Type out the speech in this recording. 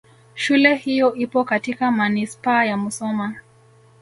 Shule hiyo ipo katika Manispaa ya Musoma